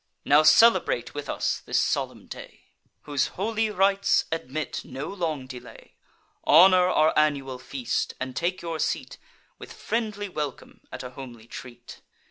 Now celebrate with us this solemn day, Whose holy rites admit no long delay. Honour our annual feast; and take your seat, With friendly welcome, at a homely treat."